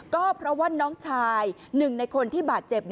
ก็เพราะว่าน้องชายหนึ่งในคนที่บาดเจ็บ